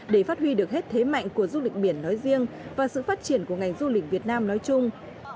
để phát huy được hết thế mạnh của du lịch biển nói riêng và sự phát triển của ngành du lịch việt nam nói chung